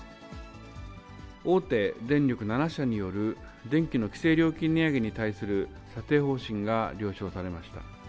大手電力７社による電気の規制料金値上げに対する査定方針が了承されました。